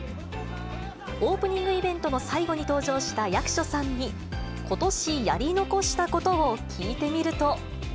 オープニングイベントの最後に登場した役所さんにことしやり残したことを聞いてみると。